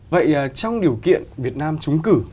vậy trong điều kiện việt nam chúng cử